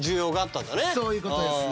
そういうことですね。